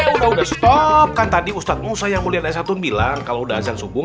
udah udah stopkan tadi ustadz musa yang mulia dan satun bilang kalau udah azan subuh